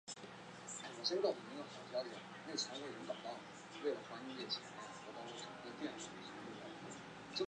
本鱼分布于西南大西洋区的巴西海域。